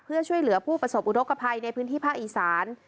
เพื่อช่วยเหลือผู้ประสบอุทธกภัยในพื้นที่ภาคอีสาน